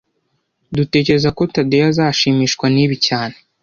Dutekereza ko Tadeyo azashimishwa nibi cyane